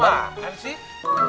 wah kan sih